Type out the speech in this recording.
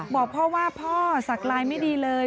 บอกพ่อว่าพ่อสักลายไม่ดีเลย